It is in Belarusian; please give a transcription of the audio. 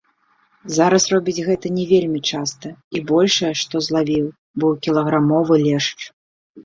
Зараз робіць гэта не вельмі часта і большае, што злавіў, быў кілаграмовы лешч.